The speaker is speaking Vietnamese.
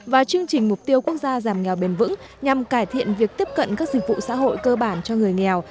và chương trình mục tiêu quốc gia giảm nghèo bền vững nhằm cải thiện việc tiếp cận các dịch vụ xã hội cơ bản cho người nghèo